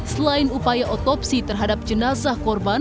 selain upaya otopsi terhadap jenazah korban